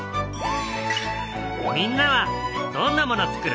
みんなはどんなものつくる？